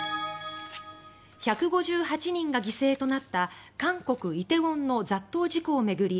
１５８人が犠牲となった韓国・梨泰院の雑踏事故を巡り